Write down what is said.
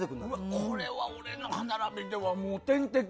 これは俺の歯並びではもう天敵。